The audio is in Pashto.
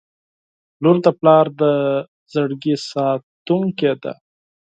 • لور د پلار د زړګي ساتونکې وي.